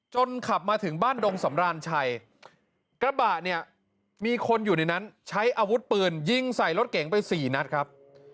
ขับมาถึงบ้านดงสำราญชัยกระบะเนี่ยมีคนอยู่ในนั้นใช้อาวุธปืนยิงใส่รถเก๋งไปสี่นัดครับ